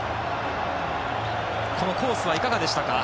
コースはいかがでしたか？